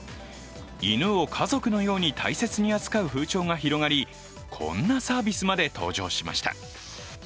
犬を家族のように大切に扱う風潮が広がりこんなサービスまで登場しました。